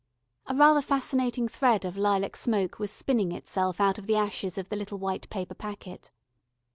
A rather fascinating thread of lilac smoke was spinning itself out of the ashes of the little white paper packet.